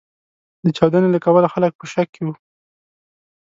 د چاودنې له کبله خلګ په شک کې و.